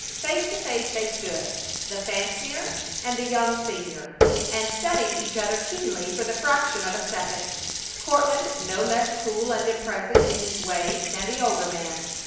Face to face they stood, the financier and the young senior, and studied each other keenly for the fraction of a second, Courtland no less cool and impressive in his way than the older man.